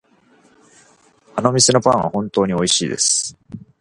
あの店のパンは本当においしいです。